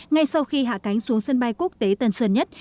ngay sau khi hạ cánh xuống sân bay quốc tế tân sơn nhất